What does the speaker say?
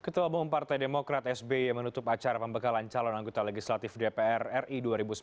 ketua umum partai demokrat sby menutup acara pembekalan calon anggota legislatif dpr ri dua ribu sembilan belas